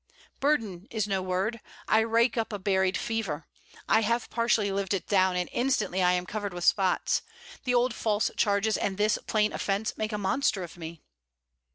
Burden, is no word I rake up a buried fever. I have partially lived it down, and instantly I am covered with spots. The old false charges and this plain offence make a monster of me.'